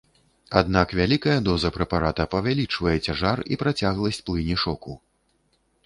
Аднак вялікая доза прэпарата павялічвае цяжар і працягласць плыні шоку.